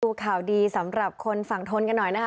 ดูข่าวดีสำหรับคนฝั่งทนกันหน่อยนะคะ